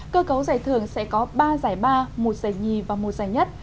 cơ cấu giải thưởng sẽ có ba giải ba một giải nhì và một giải nhất